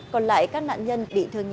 còn lại các nạn nhân bị thương nhẹ